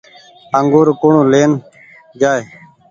انگور ڪوڻ لين جآئي ۔